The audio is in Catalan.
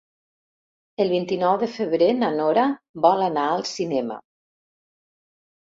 El vint-i-nou de febrer na Nora vol anar al cinema.